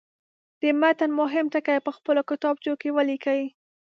د متن مهم ټکي په خپلو کتابچو کې ولیکئ.